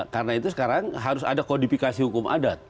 karena itu sekarang harus ada kodifikasi hukum adat